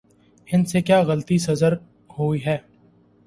ان سے کیا غلطی سرزد ہوئی ہے؟